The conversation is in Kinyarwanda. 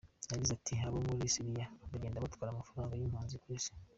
Yagize ati “Abo muri Siriya bagenda batwara amafaranga y’impunzi ku isi.